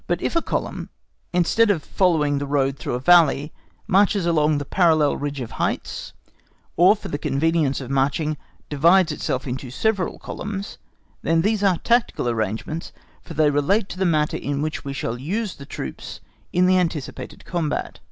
But if a column, instead of following the road through a valley, marches along the parallel ridge of heights, or for the convenience of marching divides itself into several columns, then these are tactical arrangements, for they relate to the manner in which we shall use the troops in the anticipated combat.